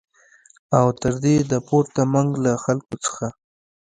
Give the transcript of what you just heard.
او تر دې د پورته منګ له خلکو څخه